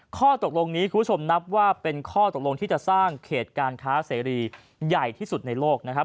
ข้อตกลงนี้คุณผู้ชมนับว่าเป็นข้อตกลงที่จะสร้างเขตการค้าเสรีใหญ่ที่สุดในโลกนะครับ